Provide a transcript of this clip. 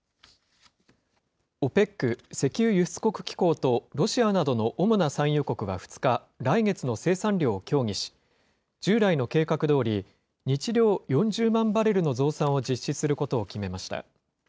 ＯＰＥＣ・石油輸出国機構とロシアなどの主な産油国は２日、来月の生産量を協議し、従来の計画どおり、日量４０万バレルの増産を実施することを決めました。